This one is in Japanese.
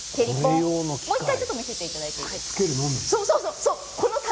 もう１回見せていただいていいですか？